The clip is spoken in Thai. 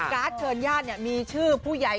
การ์ดเชิญย่านเนี่ยมีชื่อผู้ใหญ่